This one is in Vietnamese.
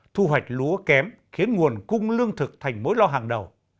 thu hoạch lúa kém khiến nguồn cung lương thực thành mối lo hàng đầu